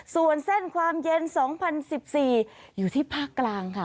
ส่วนเส้นความเย็นสองพันสิบสี่อยู่ที่ภาคกลางค่ะ